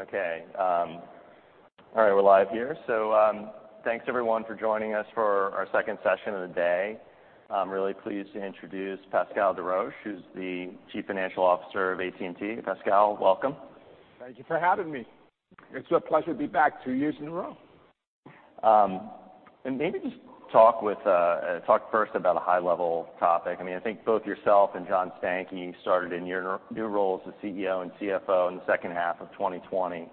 Okay. All right, we're live here. Thanks, everyone, for joining us for our second session of the day. I'm really pleased to introduce Pascal Desroches, who's the Chief Financial Officer of AT&T. Pascal, welcome. Thank you for having me. It's a pleasure to be back two years in a row. Maybe just talk first about a high-level topic. I mean, I think both yourself and John Stankey started in your new roles as CEO and CFO in the second half of 2020.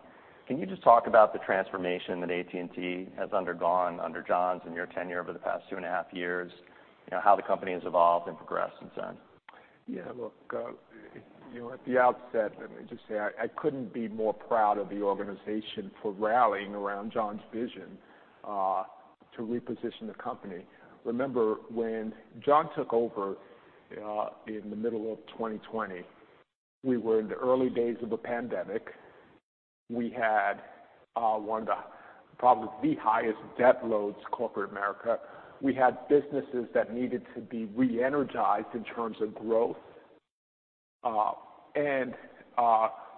Can you just talk about the transformation that AT&T has undergone under John's and your tenure over the past 2.5 years? You know, how the company has evolved and progressed since then. Yeah. Look, you know, at the outset, let me just say, I couldn't be more proud of the organization for rallying around John's vision, to reposition the company. Remember, when John took over, in the middle of 2020, we were in the early days of a pandemic. We had one of the, probably the highest debt loads in corporate America. We had businesses that needed to be re-energized in terms of growth.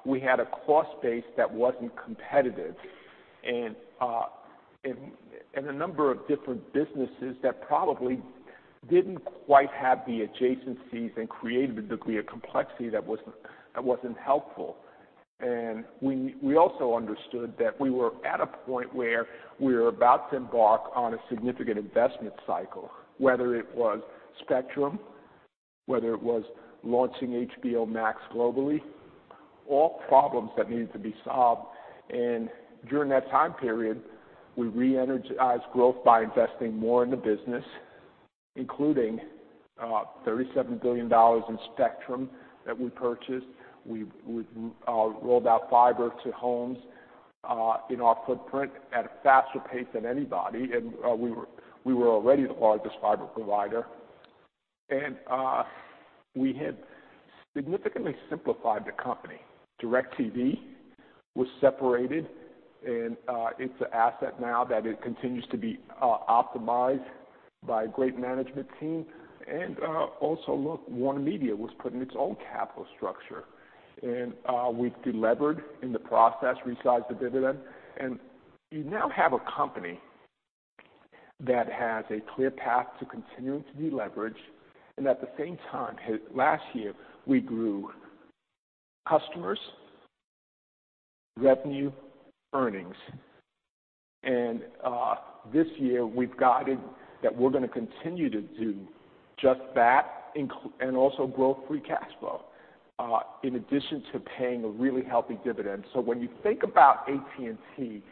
We had a cost base that wasn't competitive and a number of different businesses that probably didn't quite have the adjacencies and created a degree of complexity that wasn't helpful. We also understood that we were at a point where we were about to embark on a significant investment cycle, whether it was spectrum, whether it was launching HBO Max globally, all problems that needed to be solved. During that time period, we re-energized growth by investing more in the business, including $37 billion in spectrum that we purchased. We rolled out fiber to homes in our footprint at a faster pace than anybody, we were already the largest fiber provider. We had significantly simplified the company. DirecTV was separated, it's an asset now that it continues to be optimized by a great management team. Also look, WarnerMedia was put in its own capital structure. We've delevered in the process, resized the dividend, and you now have a company that has a clear path to continuing to deleverage. At the same time, last year, we grew customers, revenue, earnings. This year we've guided that we're gonna continue to do just that, and also grow free cash flow in addition to paying a really healthy dividend. When you think about AT&T,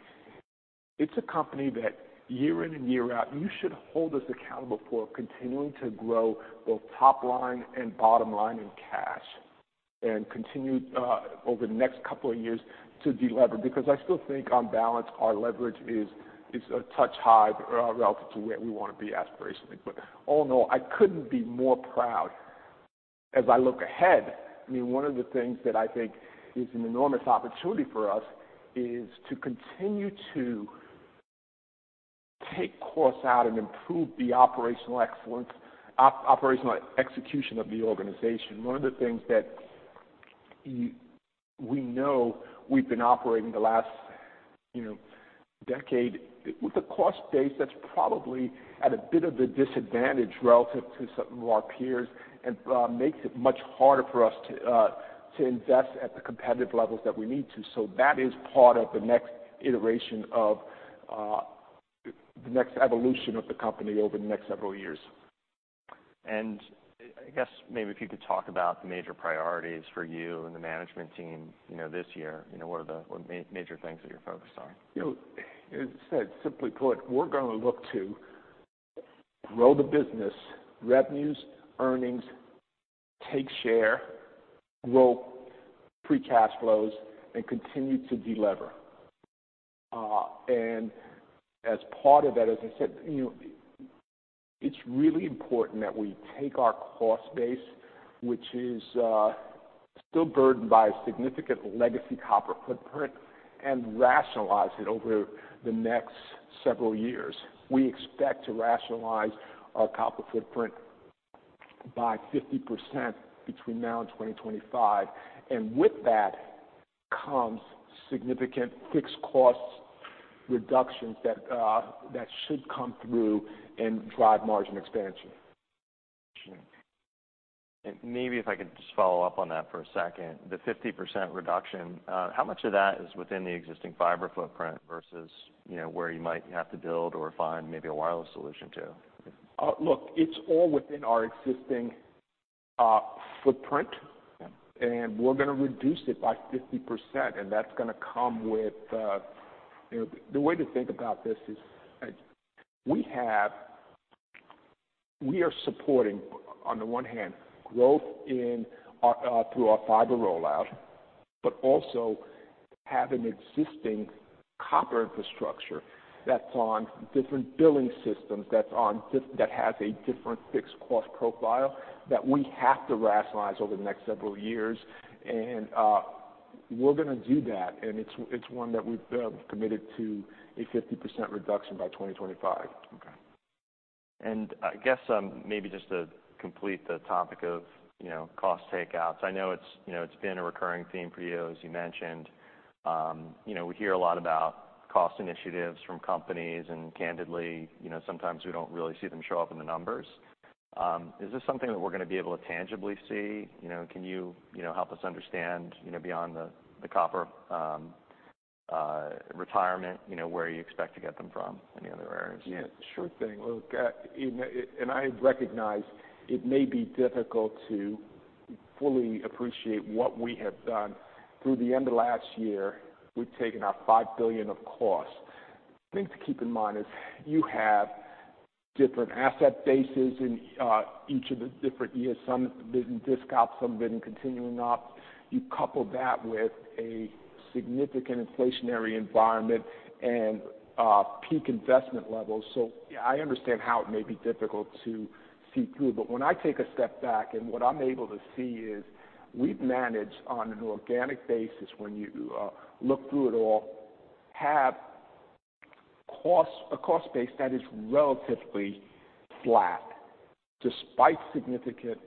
it's a company that year in and year out, you should hold us accountable for continuing to grow both top line and bottom line in cash and continue over the next couple of years to delever, because I still think on balance, our leverage is a touch high relative to where we want to be aspirationally. All in all, I couldn't be more proud. As I look ahead, I mean, one of the things that I think is an enormous opportunity for us is to continue to take costs out and improve the operational excellence, operational execution of the organization. One of the things that we know we've been operating the last, you know, decade with a cost base that's probably at a bit of a disadvantage relative to some of our peers and makes it much harder for us to invest at the competitive levels that we need to. That is part of the next iteration of the next evolution of the company over the next several years. I guess maybe if you could talk about the major priorities for you and the management team, you know, this year. You know, what are the major things that you're focused on? You know, as I said, simply put, we're gonna look to grow the business, revenues, earnings, take share, grow free cash flows, and continue to delever. As part of that, as I said, you know, it's really important that we take our cost base, which is still burdened by a significant legacy copper footprint, and rationalize it over the next several years. We expect to rationalize our copper footprint by 50% between now and 2025, and with that comes significant fixed cost reductions that should come through and drive margin expansion. Sure. Maybe if I could just follow up on that for a second. The 50% reduction, how much of that is within the existing fiber footprint versus, you know, where you might have to build or find maybe a wireless solution to? Look, it's all within our existing footprint. Okay. We're gonna reduce it by 50%, and that's gonna come with, you know, the way to think about this is we are supporting, on the one hand, growth in our through our fiber rollout, but also have an existing copper infrastructure that's on different billing systems, that has a different fixed cost profile that we have to rationalize over the next several years. We're gonna do that, and it's one that we've committed to a 50% reduction by 2025. I guess, maybe just to complete the topic of, you know, cost takeouts. I know it's, you know, it's been a recurring theme for you, as you mentioned. You know, we hear a lot about cost initiatives from companies, and candidly, you know, sometimes we don't really see them show up in the numbers. Is this something that we're gonna be able to tangibly see? You know, can you know, help us understand, you know, beyond the copper retirement, you know, where you expect to get them from, any other areas? Yeah, sure thing. Look, I recognize it may be difficult to fully appreciate what we have done. Through the end of last year, we've taken out $5 billion of costs. The thing to keep in mind is you have different asset bases in each of the different years. Some have been disc ops, some have been continuing op. You couple that with a significant inflationary environment and peak investment levels. I understand how it may be difficult to see through. When I take a step back and what I'm able to see is we've managed on an organic basis, when you look through it all, have cost, a cost base that is relatively flat despite significant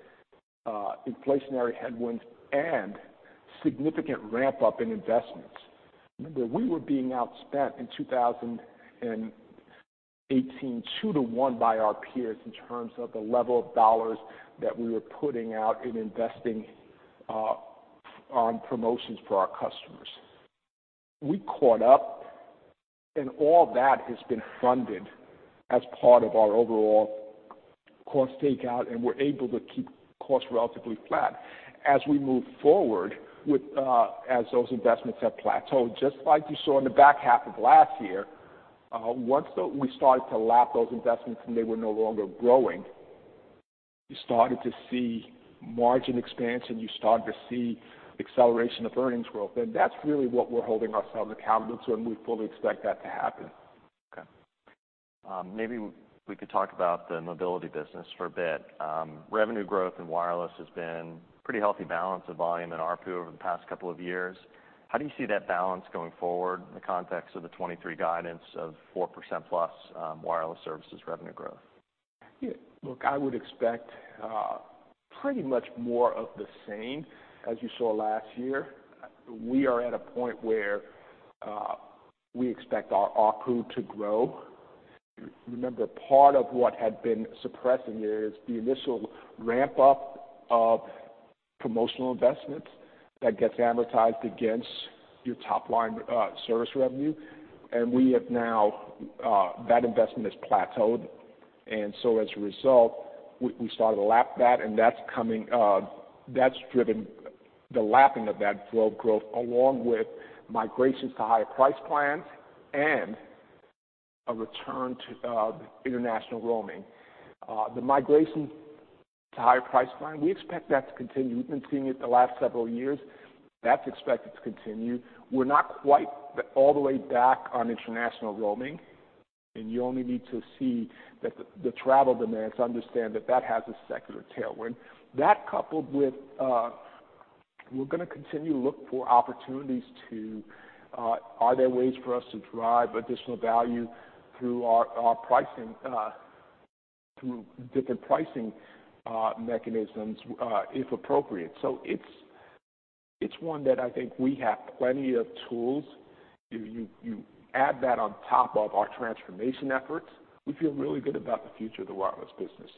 inflationary headwinds and significant ramp-up in investments. Remember, we were being outspent in 2018 2 to 1 by our peers in terms of the level of dollars that we were putting out in investing on promotions for our customers. We caught up, all that has been funded as part of our overall cost takeout, and we're able to keep costs relatively flat as we move forward with as those investments have plateaued. Just like you saw in the back half of last year, once we started to lap those investments and they were no longer growing, you started to see margin expansion, you started to see acceleration of earnings growth. That's really what we're holding ourselves accountable to, and we fully expect that to happen. Okay. maybe we could talk about the mobility business for a bit. revenue growth in wireless has been pretty healthy balance of volume and ARPU over the past couple of years. How do you see that balance going forward in the context of the 23 guidance of 4%+ wireless services revenue growth? Yeah. Look, I would expect, pretty much more of the same as you saw last year. We are at a point where, we expect our ARPU to grow. Remember, part of what had been suppressing it is the initial ramp-up of promotional investments that gets amortized against your top line, service revenue. We have now, that investment has plateaued. As a result, we started to lap that, and that's coming, that's driven the lapping of that flow growth, along with migrations to higher price plans and a return to, international roaming. The migration to higher price plan, we expect that to continue. We've been seeing it the last several years. That's expected to continue. We're not quite all the way back on international roaming. You only need to see the travel demands to understand that that has a secular tailwind. That coupled with, we're gonna continue to look for opportunities to, are there ways for us to drive additional value through our pricing, through different pricing mechanisms, if appropriate. It's one that I think we have plenty of tools. You add that on top of our transformation efforts, we feel really good about the future of the wireless business.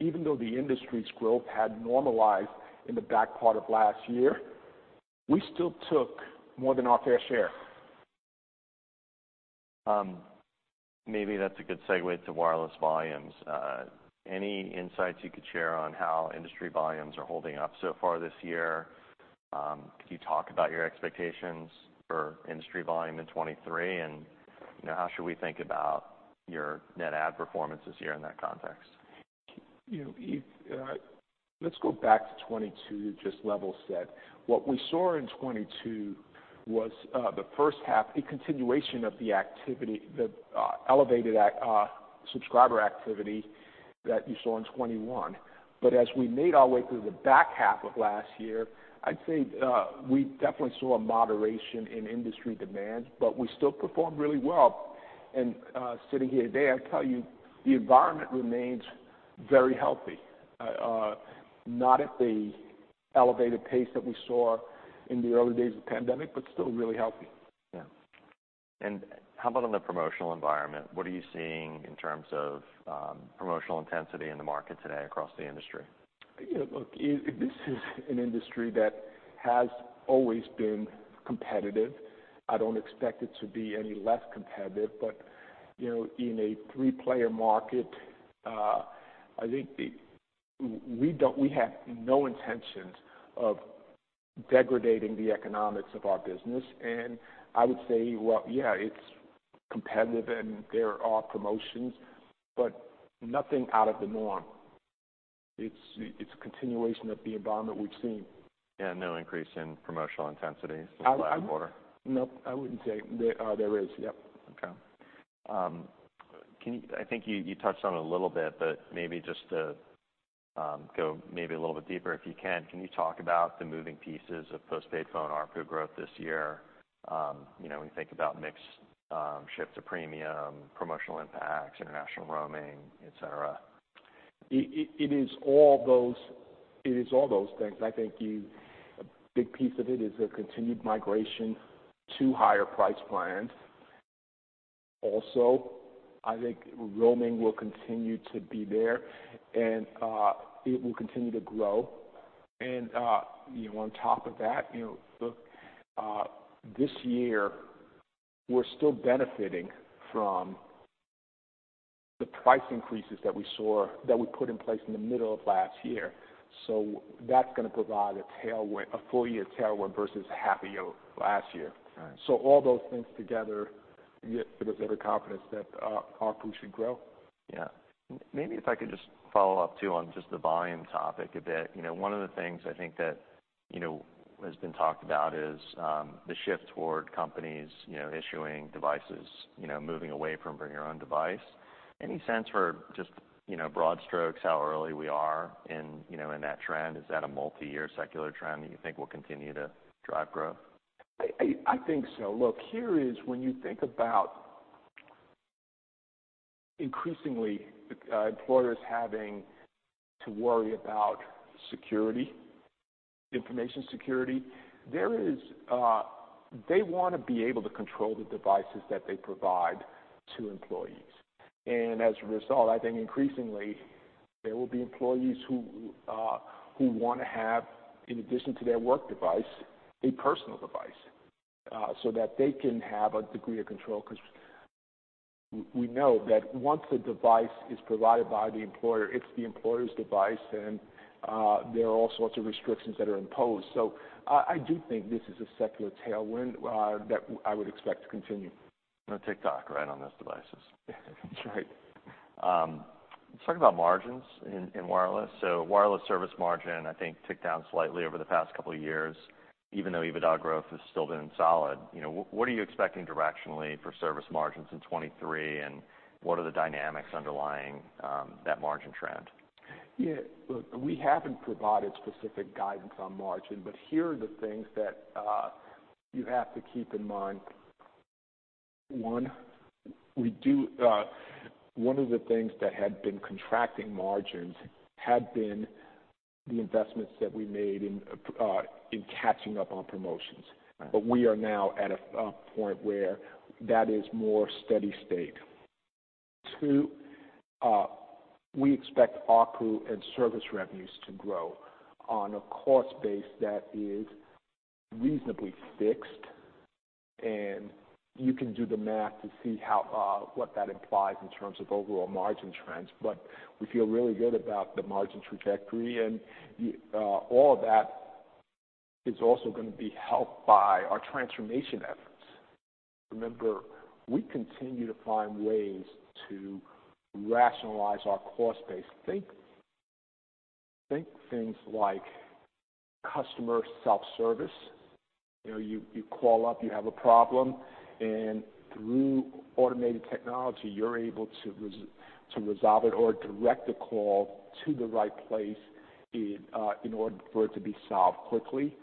Even though the industry's growth had normalized in the back part of last year, we still took more than our fair share. Maybe that's a good segue to wireless volumes. Any insights you could share on how industry volumes are holding up so far this year? Could you talk about your expectations for industry volume in 23? You know, how should we think about your net add performance this year in that context? You know, let's go back to 2022, just level set. What we saw in 2022 was, the first half, a continuation of the activity, the elevated subscriber activity that you saw in 2021. As we made our way through the back half of last year, I'd say, we definitely saw a moderation in industry demand, but we still performed really well. Sitting here today, I'd tell you the environment remains very healthy. Not at the elevated pace that we saw in the early days of the pandemic, but still really healthy. Yeah. How about on the promotional environment? What are you seeing in terms of promotional intensity in the market today across the industry? You know, look, this is an industry that has always been competitive. I don't expect it to be any less competitive, but, you know, in a three-player market, I think we have no intentions of degrading the economics of our business. I would say, well, yeah, it's competitive and there are promotions, but nothing out of the norm. It's a continuation of the environment we've seen. Yeah, no increase in promotional intensity since last quarter? No, I wouldn't say. There, there is. Yep. Okay. I think you touched on it a little bit, but maybe just to go maybe a little bit deeper if you can. Can you talk about the moving pieces of Postpaid Phone ARPU growth this year? You know, when you think about mix, shift to premium, promotional impacts, international roaming, et cetera. It is all those, it is all those things. I think a big piece of it is the continued migration to higher price plans. I think roaming will continue to be there, and it will continue to grow. you know, on top of that, you know, this year we're still benefiting from the price increases that we put in place in the middle of last year. That's gonna provide a tailwind, a full year tailwind versus half a year last year. Right. All those things together give us every confidence that our ARPU should grow. Maybe if I could just follow up too on just the volume topic a bit. You know, one of the things I think that, you know, has been talked about is, the shift toward companies, you know, issuing devices, you know, moving away from Bring Your Own Device. Any sense for just, you know, broad strokes, how early we are in, you know, in that trend? Is that a multiyear secular trend that you think will continue to drive growth? I think so. Look, here is when you think about increasingly, employers having to worry about security, information security, there is. They wanna be able to control the devices that they provide to employees. As a result, I think increasingly there will be employees who wanna have, in addition to their work device, a personal device, so that they can have a degree of control. 'Cause we know that once a device is provided by the employer, it's the employer's device, and there are all sorts of restrictions that are imposed. I do think this is a secular tailwind that I would expect to continue. No TikTok, right, on those devices. That's right. Let's talk about margins in wireless. Wireless service margin I think ticked down slightly over the past couple of years, even though EBITDA growth has still been solid. You know, what are you expecting directionally for service margins in 2023, and what are the dynamics underlying that margin trend? Yeah. Look, we haven't provided specific guidance on margin, but here are the things that you have to keep in mind. One, one of the things that had been contracting margins had been the investments that we made in catching up on promotions. Right. We are now at a point where that is more steady state. Two, we expect ARPU and service revenues to grow on a cost base that is reasonably fixed, and you can do the math to see how what that implies in terms of overall margin trends. We feel really good about the margin trajectory and all of that is also gonna be helped by our transformation efforts. Remember, we continue to find ways to rationalize our cost base. Think things like customer self-service. You know, you call up, you have a problem, and through automated technology, you're able to resolve it or direct the call to the right place in order for it to be solved quickly.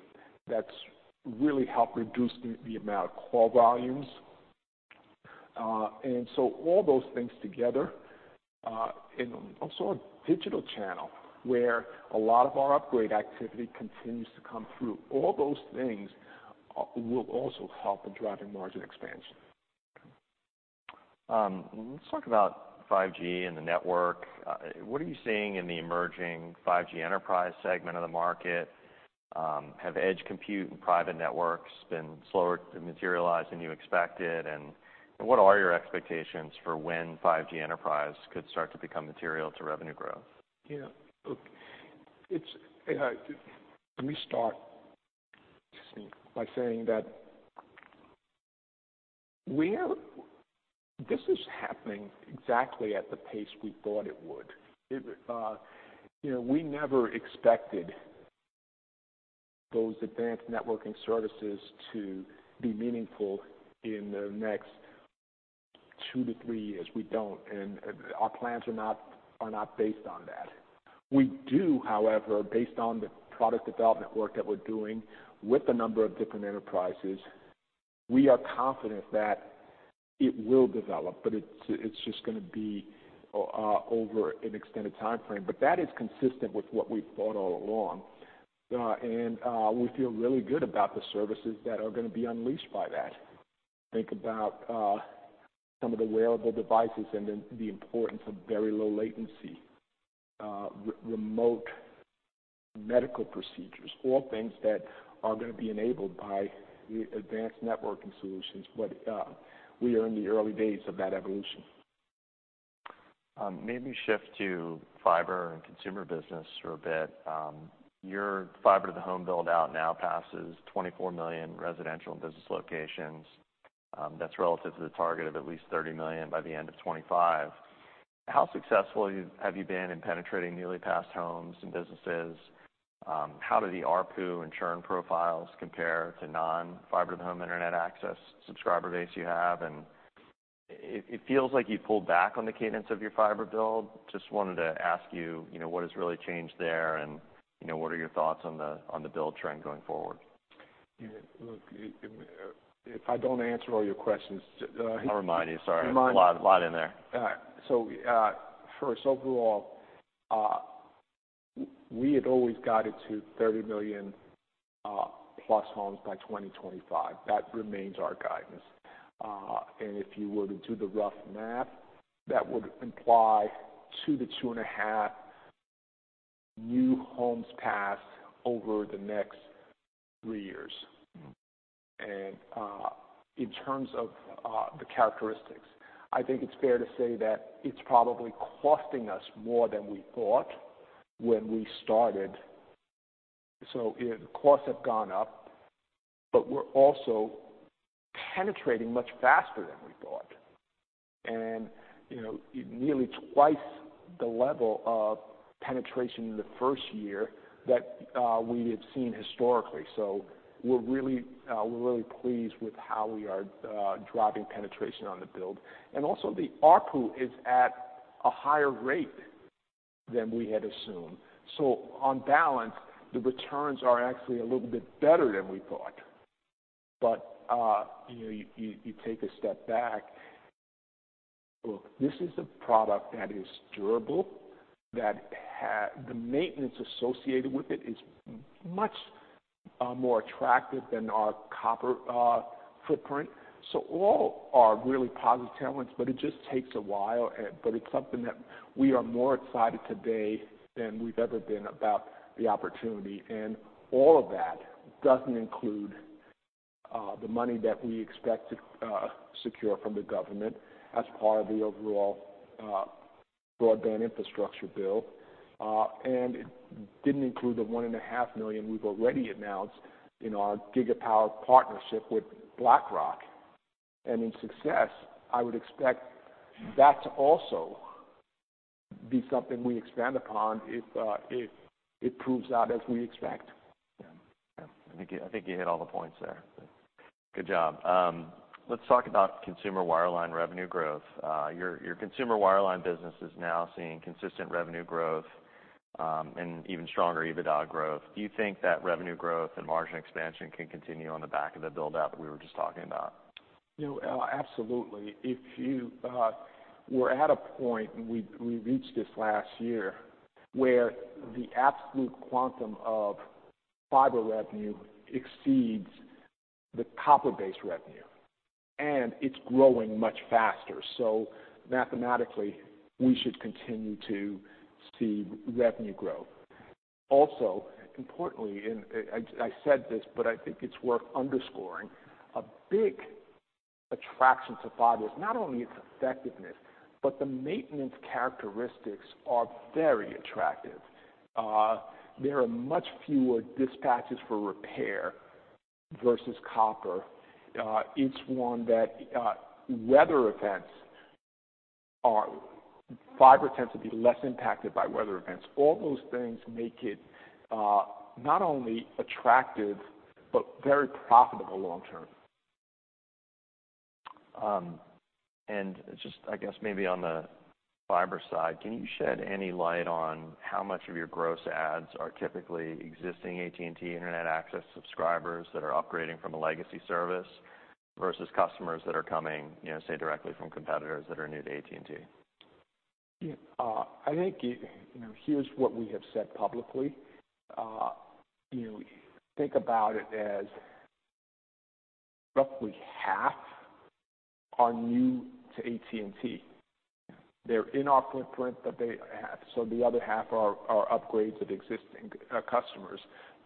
That's really helped reduce the amount of call volumes. All those things together, and also a digital channel where a lot of our upgrade activity continues to come through, all those things, will also help in driving margin expansion. Let's talk about 5G and the network. What are you seeing in the emerging 5G enterprise segment of the market? Have Edge Compute and Private Networks been slower to materialize than you expected? What are your expectations for when 5G enterprise could start to become material to revenue growth? Yeah. Look, it's, let me start by saying that this is happening exactly at the pace we thought it would. It, you know, we never expected those advanced networking services to be meaningful in the next two to three years. We don't, and our plans are not based on that. We do, however, based on the product development work that we're doing with a number of different enterprises, we are confident that it will develop, but it's just gonna be over an extended timeframe. That is consistent with what we've thought all along. We feel really good about the services that are gonna be unleashed by that. Think about, some of the wearable devices and then the importance of very low latency, remote medical procedures, all things that are gonna be enabled by the advanced networking solutions. We are in the early days of that evolution. Maybe shift to fiber and consumer business for a bit. Your fiber to the home build-out now passes 24 million residential and business locations, that's relative to the target of at least 30 million by the end of 2025. How successful have you been in penetrating newly passed homes and businesses? How do the ARPU and churn profiles compare to non-fiber to home internet access subscriber base you have? It feels like you pulled back on the cadence of your fiber build. Just wanted to ask you know, what has really changed there, and, you know, what are your thoughts on the build trend going forward? Yeah. Look, if I don't answer all your questions, I'll remind you. Sorry. Remind. A lot in there. All right. First, overall, we had always guided to 30 million plus homes by 2025. That remains our guidance. If you were to do the rough math, that would imply 2-2.5 new homes passed over the next 3 years. Mm-hmm. In terms of the characteristics, I think it's fair to say that it's probably costing us more than we thought when we started. Yeah, the costs have gone up, but we're also penetrating much faster than we thought and, you know, nearly 2x the level of penetration in the first year that we have seen historically. We're really, we're really pleased with how we are driving penetration on the build. Also, the ARPU is at a higher rate than we had assumed. On balance, the returns are actually a little bit better than we thought. You know, you take a step back. Look, this is a product that is durable, that the maintenance associated with it is much more attractive than our copper footprint. All are really positive tailwinds, but it just takes a while but it's something that we are more excited today than we've ever been about the opportunity. All of that doesn't include the money that we expect to secure from the government as part of the overall broadband infrastructure bill. It didn't include the $one and a half million we've already announced in our Gigapower partnership with BlackRock. In success, I would expect that to also be something we expand upon if it proves out as we expect. Yeah. I think you hit all the points there. Good job. Let's talk about consumer wireline revenue growth. Your consumer wireline business is now seeing consistent revenue growth, and even stronger EBITDA growth. Do you think that revenue growth and margin expansion can continue on the back of the build-out that we were just talking about? You know, absolutely. If you, we're at a point, and we reached this last year, where the absolute quantum of fiber revenue exceeds the copper-based revenue, and it's growing much faster. Mathematically, we should continue to see revenue growth. Also, importantly, and I said this, but I think it's worth underscoring, a big attraction to fiber is not only its effectiveness, but the maintenance characteristics are very attractive. There are much fewer dispatches for repair versus copper. It's one that Fiber tends to be less impacted by weather events. All those things make it not only attractive but very profitable long term. Just, I guess, maybe on the fiber side, can you shed any light on how much of your gross adds are typically existing AT&T internet access subscribers that are upgrading from a legacy service versus customers that are coming, you know, say, directly from competitors that are new to AT&T? Yeah, I think, you know, here's what we have said publicly. You know, think about it as roughly half are new to AT&T. They're in our footprint, but the other half are upgrades of existing customers.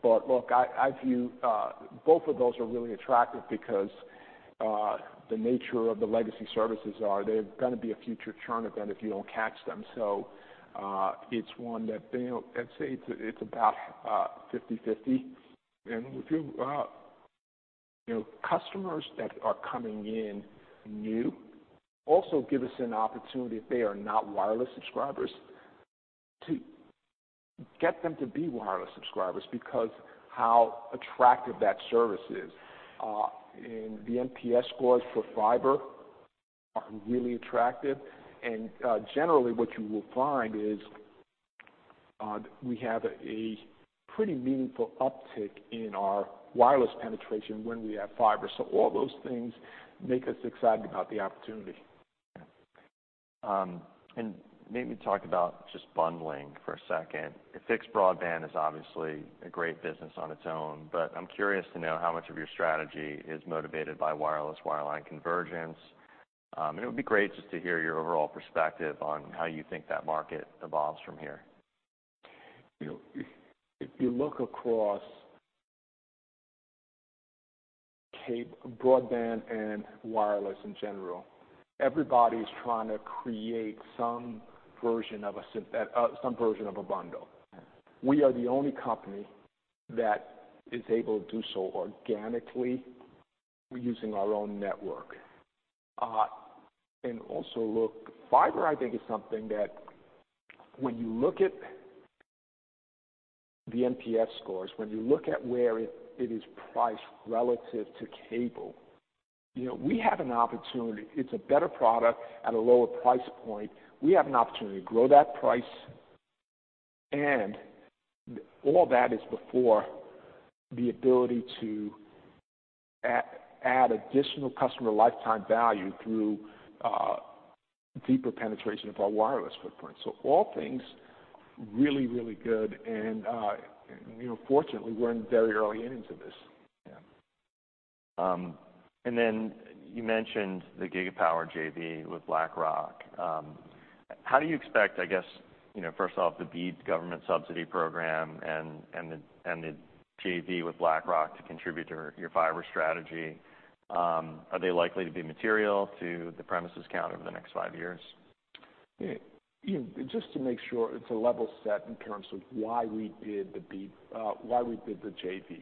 Look, I view both of those are really attractive because the nature of the legacy services are they're gonna be a future churn event if you don't catch them. I'd say it's about 50/50. Customers that are coming in new also give us an opportunity, if they are not wireless subscribers, to get them to be wireless subscribers because how attractive that service is. The NPS scores for fiber are really attractive. Generally, what you will find is, we have a pretty meaningful uptick in our wireless penetration when we have fiber. All those things make us excited about the opportunity. Yeah. Maybe talk about just bundling for a second. Fixed broadband is obviously a great business on its own, but I'm curious to know how much of your strategy is motivated by wireless/wireline convergence. It would be great just to hear your overall perspective on how you think that market evolves from here. You know, if you look across broadband and wireless in general, everybody's trying to create some version of a bundle. Yeah. We are the only company that is able to do so organically using our own network. Also look, fiber, I think, is something that when you look at the NPS scores, when you look at where it is priced relative to cable, you know, we have an opportunity. It's a better product at a lower price point. We have an opportunity to grow that price, and all that is before the ability to add additional customer lifetime value through deeper penetration of our wireless footprint. All things really, really good and, you know, fortunately, we're in the very early innings of this. Yeah. You mentioned the Gigapower JV with BlackRock. How do you expect, I guess, you know, first off, the BEAD government subsidy program and the, and the JV with BlackRock to contribute to your fiber strategy? Are they likely to be material to the premises count over the next five years? You know, just to make sure it's a level set in terms of why we did the BEAD, why we did the JV.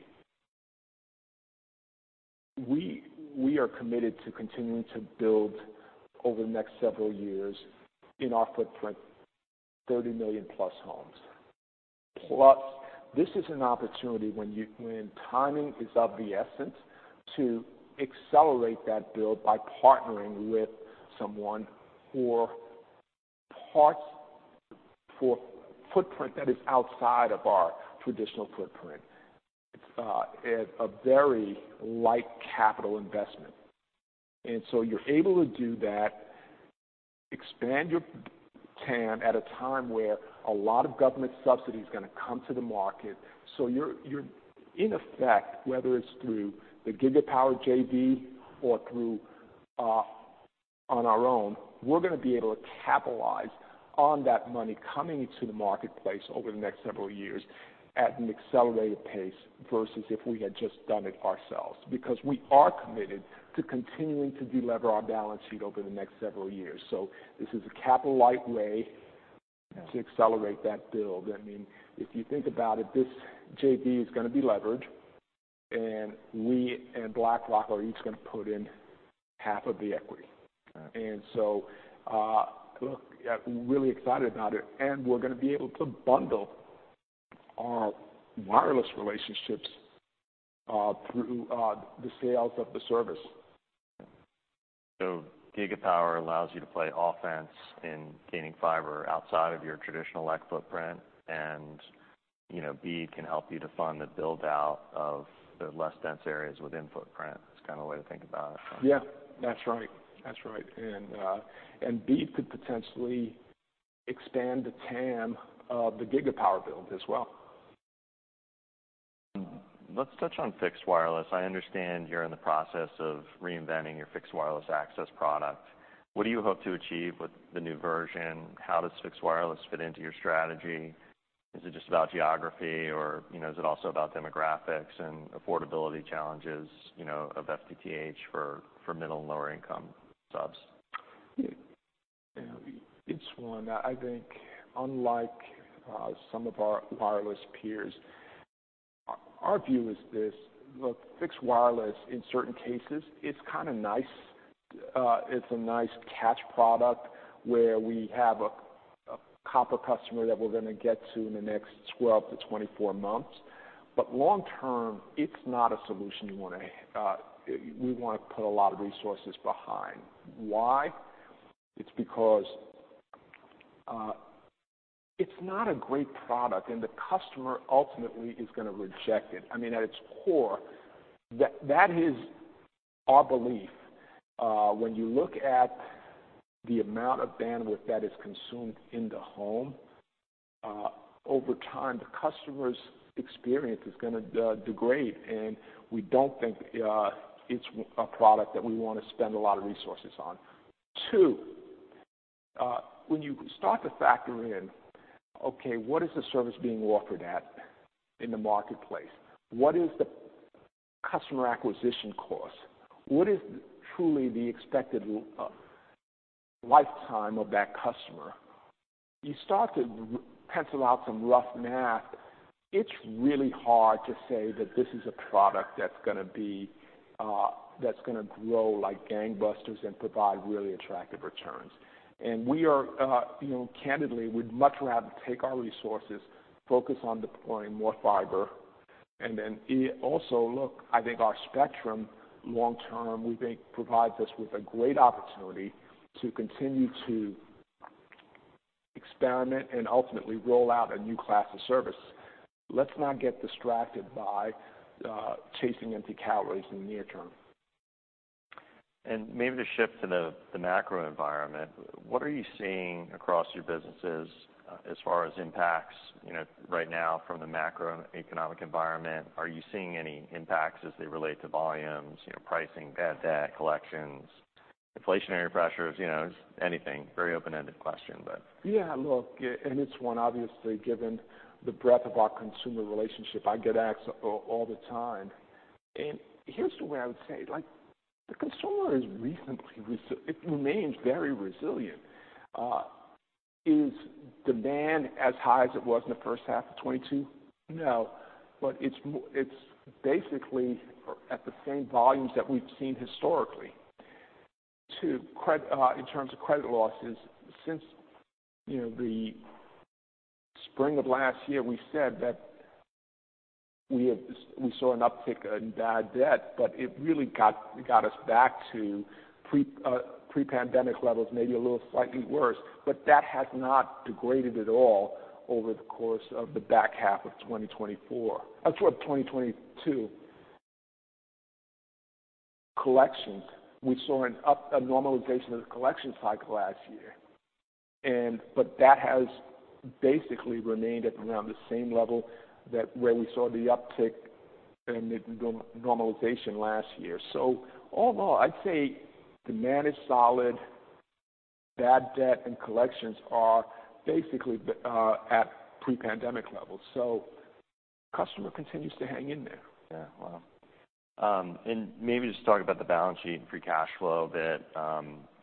We are committed to continuing to build over the next several years in our footprint, 30 million-plus homes. Plus, this is an opportunity when timing is of the essence to accelerate that build by partnering with someone for parts, for footprint that is outside of our traditional footprint. At a very light capital investment. You're able to do that, expand your TAM at a time where a lot of government subsidy is gonna come to the market. You're in effect, whether it's through the Gigapower JV or through on our own, we're gonna be able to capitalize on that money coming into the marketplace over the next several years at an accelerated pace versus if we had just done it ourselves. We are committed to continuing to delever our balance sheet over the next several years. This is a capital light way to accelerate that build. I mean, if you think about it, this JV is gonna be leveraged, and we and BlackRock are each gonna put in half of the equity. All right. Look, yeah, really excited about it. We're gonna be able to bundle our wireless relationships through the sales of the service. Gigapower allows you to play offense in gaining fiber outside of your traditional leg footprint and, you know, BEAD can help you to fund the build out of the less dense areas within footprint. That's kind of the way to think about it. Yeah, that's right. That's right. BEAD could potentially expand the TAM of the Gigapower build as well. Let's touch on fixed wireless. I understand you're in the process of reinventing your fixed wireless access product. What do you hope to achieve with the new version? How does fixed wireless fit into your strategy? Is it just about geography or, you know, is it also about demographics and affordability challenges, you know, of FTTH for middle and lower income subs? Yeah. It's one. I think unlike some of our wireless peers, our view is this. Look, fixed wireless, in certain cases, it's kinda nice. It's a nice catch product where we have a copper customer that we're gonna get to in the next 12-24 months. Long term, it's not a solution we wanna put a lot of resources behind. Why? It's because it's not a great product and the customer ultimately is gonna reject it. I mean, at its core, that is our belief. When you look at the amount of bandwidth that is consumed in the home, over time, the customer's experience is gonna degrade, and we don't think it's a product that we wanna spend a lot of resources on. Two, when you start to factor in, okay, what is the service being offered at in the marketplace? What is the customer acquisition cost? What is truly the expected lifetime of that customer? You start to pencil out some rough math. It's really hard to say that this is a product that's gonna be, that's gonna grow like gangbusters and provide really attractive returns. We are, you know, candidly, we'd much rather take our resources, focus on deploying more fiber. Also, look, I think our spectrum long term, we think provides us with a great opportunity to continue to experiment and ultimately roll out a new class of service. Let's not get distracted by chasing empty calories in the near term. Maybe to shift to the macro environment, what are you seeing across your businesses as far as impacts, you know, right now from the macroeconomic environment? Are you seeing any impacts as they relate to volumes, you know, pricing, bad debt, collections, inflationary pressures, you know, just anything? Very open-ended question, but. Yeah, look, it's one, obviously, given the breadth of our consumer relationship, I get asked all the time. Here's the way I would say, like the consumer remains very resilient. Is demand as high as it was in the first half of 2022? No. It's basically at the same volumes that we've seen historically. In terms of credit losses, since, you know, the spring of last year, we said that we saw an uptick in bad debt, but it really got us back to pre-pandemic levels, maybe a little slightly worse. That has not degraded at all over the course of the back half of 2024. Sorry, 2022. Collections. We saw a normalization of the collection cycle last year. That has basically remained at around the same level that where we saw the uptick and the normalization last year. Although I'd say demand is solid, bad debt and collections are basically at pre-pandemic levels. Customer continues to hang in there. Yeah. Wow. Maybe just talk about the balance sheet and free cash flow a bit.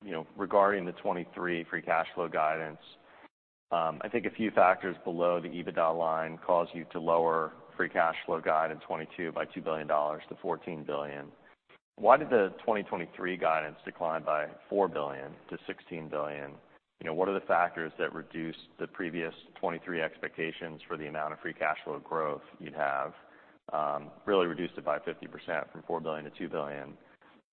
You know, regarding the 2023 free cash flow guidance, I think a few factors below the EBITDA line caused you to lower free cash flow guide in 2022 by $2 billion to $14 billion. Why did the 2023 guidance decline by $4 billion to $16 billion? You know, what are the factors that reduced the previous 2023 expectations for the amount of free cash flow growth you'd have? Really reduced it by 50% from $4 billion to $2 billion.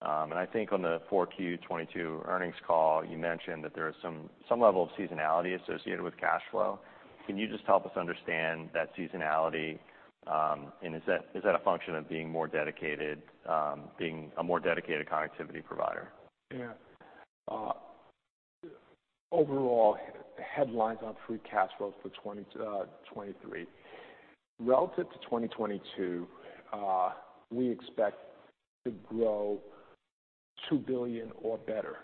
I think on the 4Q 2022 earnings call, you mentioned that there is some level of seasonality associated with cash flow. Can you just help us understand that seasonality, and is that a function of being more dedicated, being a more dedicated connectivity provider? Yeah. Overall headlines on free cash flow for 2023. Relative to 2022, we expect to grow $2 billion or better.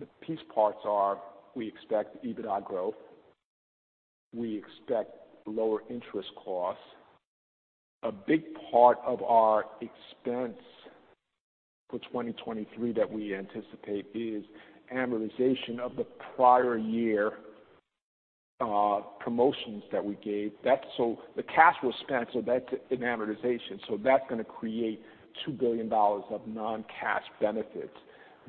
The piece parts are: we expect EBITDA growth, we expect lower interest costs. A big part of our expense for 2023 that we anticipate is amortization of the prior year promotions that we gave. The cash was spent, so that's an amortization. That's gonna create $2 billion of non-cash benefits.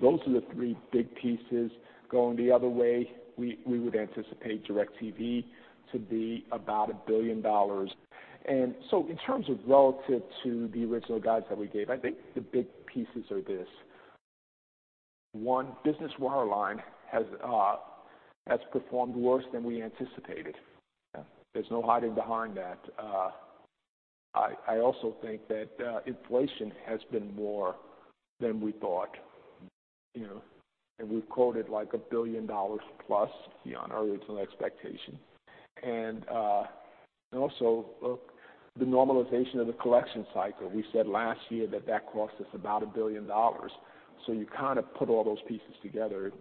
Those are the three big pieces. Going the other way, we would anticipate DirecTV to be about $1 billion. In terms of relative to the original guides that we gave, I think the big pieces are this. One, Business Wireline has performed worse than we anticipated. Yeah. There's no hiding behind that. I also think that inflation has been more than we thought, you know, and we've quoted like $1 billion plus beyond our original expectation. Also, the normalization of the collection cycle. We said last year that that cost us about $1 billion. You kind of put all those pieces together,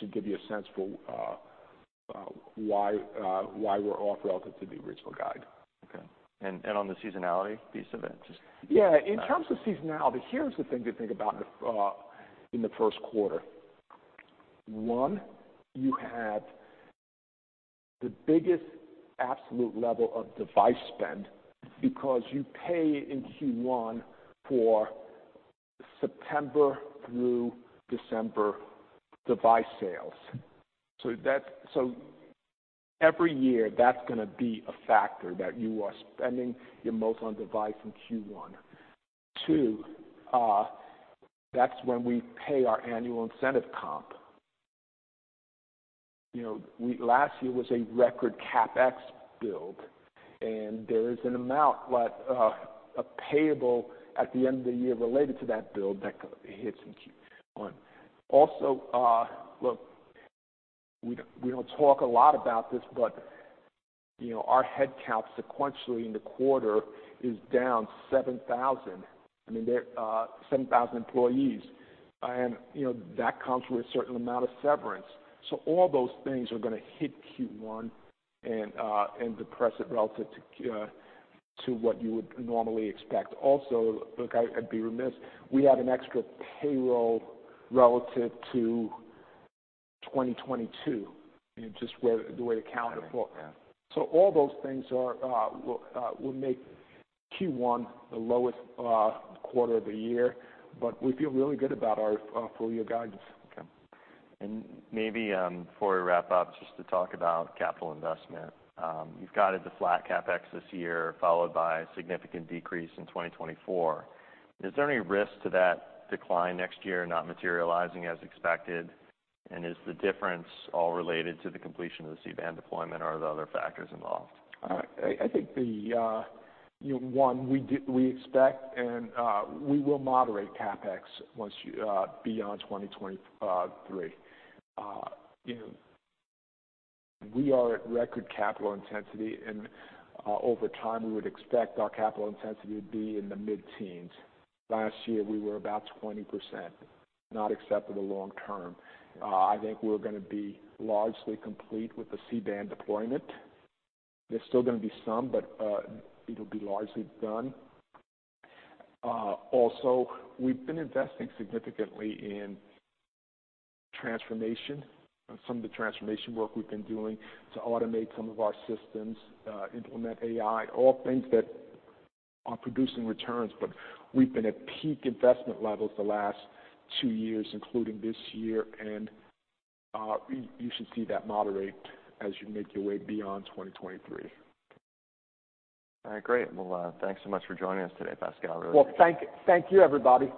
should give you a sense for why we're off relative to the original guide. Okay. On the seasonality piece of it. Yeah. In terms of seasonality, here's the thing to think about in the first quarter. One, you have the biggest absolute level of device spend because you pay in Q1 for September through December device sales. Every year, that's gonna be a factor that you are spending your most on device in Q1. Two, that's when we pay our annual incentive comp. You know, last year was a record CapEx build, and there is an amount, like, a payable at the end of the year related to that build that hits in Q1. Also, look, we don't talk a lot about this, but, you know, our headcount sequentially in the quarter is down 7,000. I mean, there, 7,000 employees and, you know, that comes with a certain amount of severance. all those things are gonna hit Q1 and depress it relative to what you would normally expect. Look, I'd be remiss, we have an extra payroll relative to 2022, you know, just where the way the calendar fall. Yeah. All those things are, will make Q1 the lowest quarter of the year, but we feel really good about our full year guidance. Okay. Maybe, before we wrap up, just to talk about capital investment. You've guided the flat CapEx this year, followed by a significant decrease in 2024. Is there any risk to that decline next year not materializing as expected? Is the difference all related to the completion of the C-band deployment or the other factors involved? I think you know we expect we will moderate CapEx beyond 2023. You know we are at record capital intensity over time, we would expect our capital intensity to be in the mid-teens. Last year, we were about 20%, not acceptable long term. I think we're gonna be largely complete with the C-band deployment. There's still gonna be some, but it'll be largely done. Also, we've been investing significantly in transformation. Some of the transformation work we've been doing to automate some of our systems, implement AI, all things that are producing returns. We've been at peak investment levels the last 2 years, including this year, you should see that moderate as you make your way beyond 2023. All right, great. Well, thanks so much for joining us today, Pascal. Well, thank you, everybody.